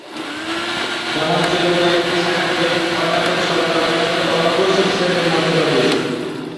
গ্রামাঞ্চলের কয়েকটি শাখাকে কর্ণাটক সরকার অন্যান্য অনগ্রসর শ্রেণির মর্যাদা দিয়েছে।